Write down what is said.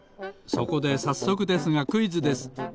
そこでさっそくですがクイズです。